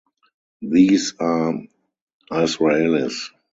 These are Israelis.